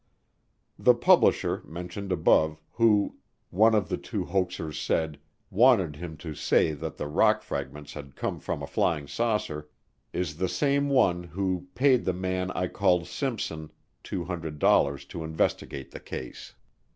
The publisher, mentioned above, who, one of the two hoaxers said, wanted him to say that the rock fragments had come from a flying saucer, is the same one who paid the man I called Simpson $200 to investigate the case.